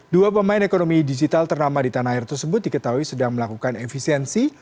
dua pemain ekonomi digital ternama di tanah air tersebut diketahui sedang melakukan efisiensi